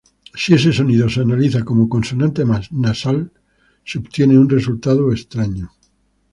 Si ese sonido se analiza como consonante nasal, se obtiene un resultado extraño.